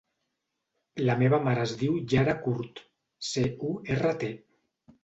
La meva mare es diu Yara Curt: ce, u, erra, te.